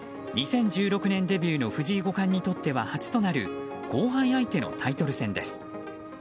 ２０１６年デビューの藤井五冠にとっては初となる後輩相手のタイトル戦です。